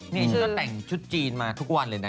นี่ฉันก็แต่งชุดจีนมาทุกวันเลยนะ